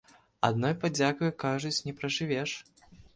Адною падзякаю, кажуць, не пражывеш.